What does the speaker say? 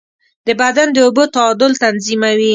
د بدن د اوبو تعادل تنظیموي.